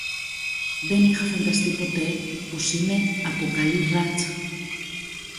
Δεν είχα φανταστεί ποτέ πως είμαι από καλή ράτσα